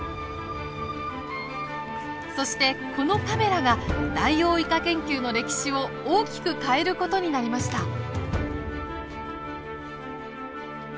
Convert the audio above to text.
そしてこのカメラがダイオウイカ研究の歴史を大きく変える事になりました。